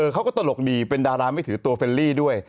เขาก็ตลกดีเป็นดาราไม่ถือตัวเฟรลี่ด้วย